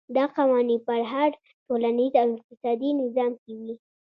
دا قوانین په هر ټولنیز او اقتصادي نظام کې وي.